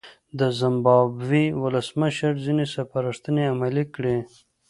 د زیمبابوې ولسمشر ځینې سپارښتنې عملي کړې.